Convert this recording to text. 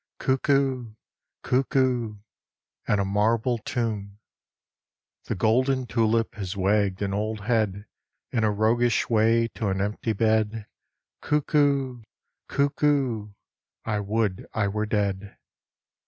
Cuckoo ! Cuckoo ! And a marble tomb ! The golden tulip Has wagged an old head In a roguish way To an empty bed. Cuckoo ! Cuckoo ! I would I were dead